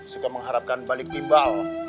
suka mengharapkan balik timbal